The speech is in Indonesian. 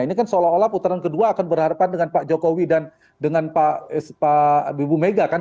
ini kan seolah olah putaran kedua akan berhadapan dengan pak jokowi dan dengan ibu mega kan